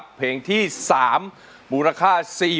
เบิ้งคงยังผ่านไป